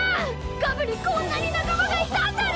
ガブにこんなになかまがいたんだね！